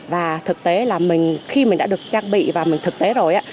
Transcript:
và thực tế là mình khi mình đã được trang bị và mình thực tế rồi ấy